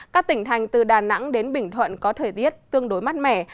các tỉnh thành từ đà nẵng đến bình thuận có thời tiết tương đối mát mẻ